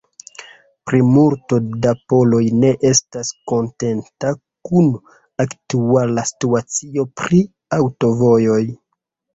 Plimulto da poloj ne estas kontenta kun aktuala situacio pri aŭtovojoj.